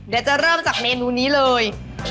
เดี๋ยวจะเริ่มจากเมนูนี้เลย